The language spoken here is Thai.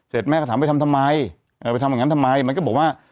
แม่ก็ถามไปทำทำไมไปทำอย่างนั้นทำไมมันก็บอกว่า